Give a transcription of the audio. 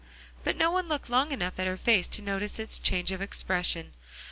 But no one looked long enough at her face to notice its change of expression.